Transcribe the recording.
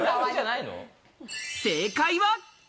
正解は？